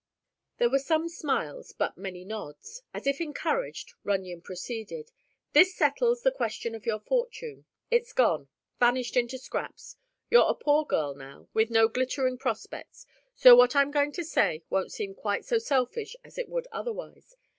There were some smiles, but many nods. As if encouraged, Runyon proceeded: "This settles the question of your fortune. It's gone—vanished into scraps. You're a poor girl, now, with no glittering prospects, so what I'm going to say won't seem quite so selfish as it would otherwise.